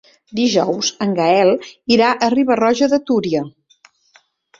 Dijous en Gaël irà a Riba-roja de Túria.